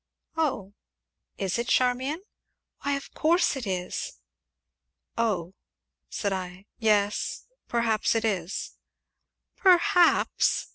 "Oh! is it, Charmian?" "Why, of course it is." "Oh!" said I; "yes perhaps it is." "Perhaps!"